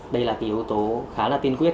đây là cái yếu tố khá là tiên quyết